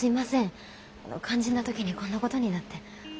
肝心な時にこんなことになって。